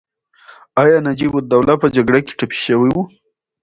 ایا نجیب الدوله په جګړه کې ټپي شوی و؟